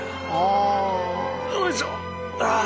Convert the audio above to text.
おいしょ！